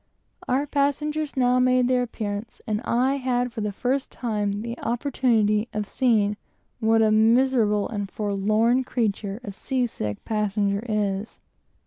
Our passengers now made their appearance, and I had for the first time the opportunity of seeing what a miserable and forlorn creature a sea sick passenger is.